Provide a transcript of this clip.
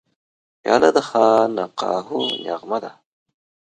پیاله د خانقاهو نغمه ده.